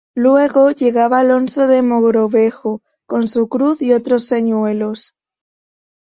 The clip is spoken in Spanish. Luego llegaba Alonso de Mogrovejo con su cruz y otros señuelos.